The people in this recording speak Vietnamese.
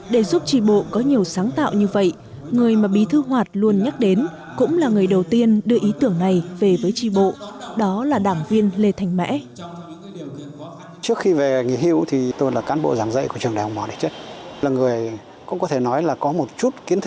để giúp tri bộ có nhiều sáng tạo như vậy người mà bí thư hoạt luôn nhắc đến cũng là người đầu tiên đưa ý tưởng này